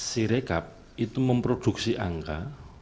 syrakab itu memproduksi angka